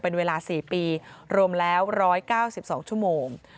เป็นเวลา๔ปีรวมแล้ว๑๙๒ชั่วโมง